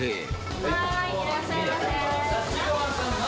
はーい、いらっしゃいませ。